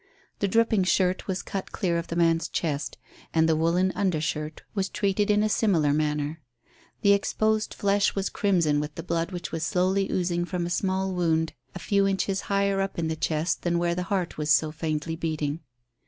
The dripping shirt was cut clear of the man's chest, and the woollen under shirt was treated in a similar manner. The exposed flesh was crimson with the blood which was slowly oozing from a small wound a few inches higher up in the chest than where the heart was so faintly beating.